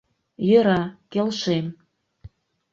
— Йӧра, келшем.